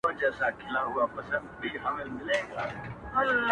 پټه خوله یمه له ویري چا ته ږغ کولای نه سم!!